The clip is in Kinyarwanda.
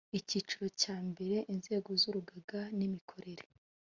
icyiciro cya mbere inzego z urugaga n imikorere